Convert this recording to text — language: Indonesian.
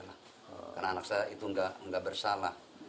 karena anak saya itu gak bersalah